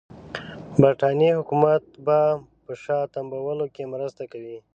برټانیې حکومت به په شا تمبولو کې مرسته کوي.